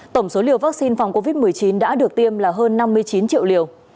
tổng số liều vaccine phòng covid một mươi chín đã được tiêm là hơn năm mươi chín triệu liều